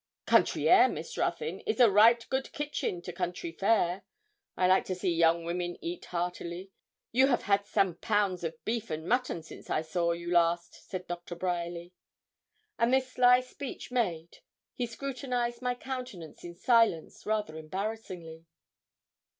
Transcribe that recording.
'Country air, Miss Ruthyn, is a right good kitchen to country fare. I like to see young women eat heartily. You have had some pounds of beef and mutton since I saw you last,' said Dr. Bryerly. And this sly speech made, he scrutinised my countenance in silence rather embarrassingly.